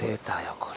これ。